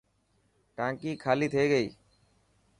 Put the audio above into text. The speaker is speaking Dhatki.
ٽانڪي خالي ٿي گئي.